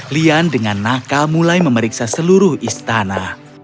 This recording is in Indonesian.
lian dengan nakal mulai memeriksa seluruh istana